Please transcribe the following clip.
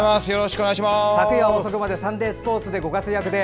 昨夜遅くまで「サンデースポーツ」でご活躍で。